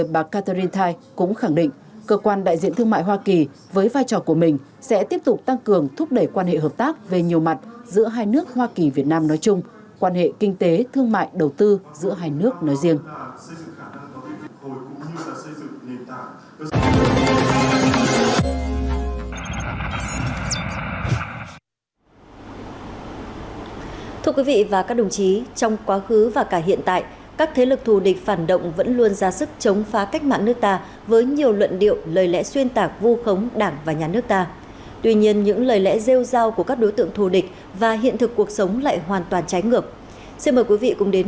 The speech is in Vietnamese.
bà catherine tai thay mặt đoàn cơ quan đại diện thương mại hoa kỳ cảm ơn bộ công an việt nam tô lâm đã dành thời gian tiếp đoàn khẳng định sự phát triển tốt đẹp của quan hệ hợp tác giữa hai nước hoa kỳ việt nam trong thời gian qua nhất là từ khi hai bên xác lập quan hệ đối tác toàn diện